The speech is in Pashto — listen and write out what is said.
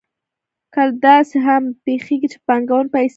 کله داسې هم پېښېږي چې پانګوال پیسې لري